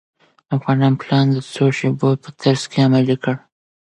افغانانو پلان د څو شېبو په ترڅ کې عملي کړ.